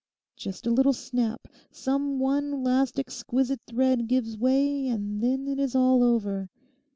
Just a little snap, some one last exquisite thread gives way, and then it is all over.